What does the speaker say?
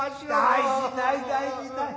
大事ない大事ない。